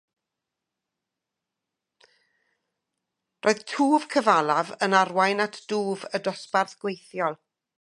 Roedd twf cyfalaf yn arwain at dwf y dosbarth gweithiol.